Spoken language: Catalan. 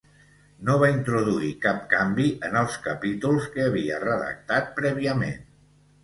No va introduir cap canvi en els capítols que havia redactat prèviament.